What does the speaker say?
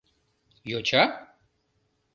Йоча?